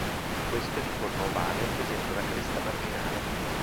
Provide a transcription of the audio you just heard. Questo è di forma ovale e presenta una cresta marginale.